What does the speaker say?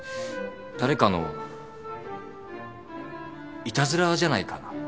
誰かのいたずらじゃないかな。